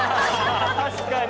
確かに！